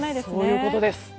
そういうことです。